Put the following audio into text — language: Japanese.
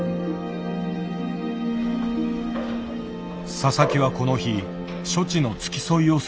佐々木はこの日処置の付き添いをするという。